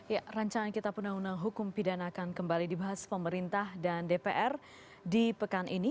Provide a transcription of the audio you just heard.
ya rancangan kita punah unang hukum pidanakan kembali dibahas pemerintah dan dpr di pekan ini